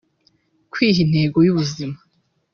kwiha intego y’ubuzima